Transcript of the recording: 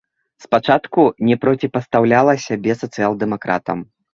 Спачатку не проціпастаўляла сябе сацыял-дэмакратам.